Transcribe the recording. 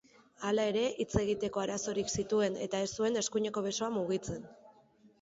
Hala ere, hitz egiteko arazoak zituen eta ez zuen eskuineko besoa mugitzen.